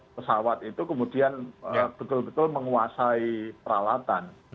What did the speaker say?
pesawat itu kemudian betul betul menguasai peralatan